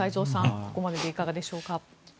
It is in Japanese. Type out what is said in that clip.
ここまででいかがでしょうか。